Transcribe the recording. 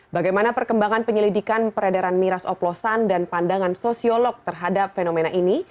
bagaimana perkembangan penyelidikan peredaran miras oplosan dan pandangan sosiolog terhadap fenomena ini